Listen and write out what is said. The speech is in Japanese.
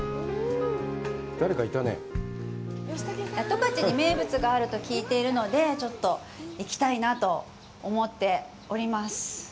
十勝に名物があると聞いているのでちょっと行きたいなと思っております。